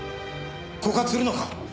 告発するのか？